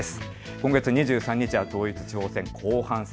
今月２３日は統一地方選後半戦。